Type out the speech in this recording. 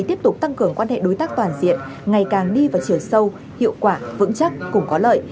tiếp tục tăng cường quan hệ đối tác toàn diện ngày càng đi vào chiều sâu hiệu quả vững chắc cùng có lợi